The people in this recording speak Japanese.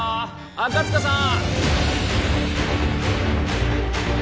赤塚さん